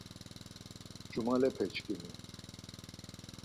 Cumalepe-şǩimi…